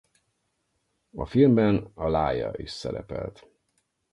A filmben Aaliyah is szerepelt.